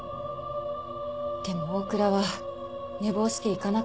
でも大倉は寝坊して行かなかった。